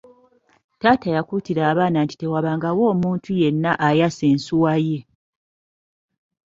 Taata yakuutira abaana nti tewabangawo omuntu yenna ayasa ensuwa ye.